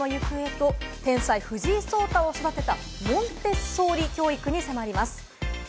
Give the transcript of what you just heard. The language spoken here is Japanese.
その対局のゆくえと天才・藤井聡太を育てたモンテッソーリ教育に迫ります。